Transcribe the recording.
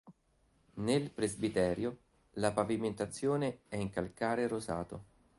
Nel presbiterio la pavimentazione è in calcare rosato.